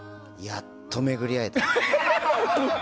やっと巡り合えた。